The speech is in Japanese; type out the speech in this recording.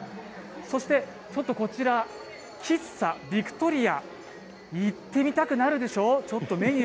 そしてこちら、喫茶ビクトリア、行ってみたくなるでしょ。